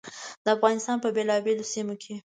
د افغانستان په بېلابېلو سیمو کې.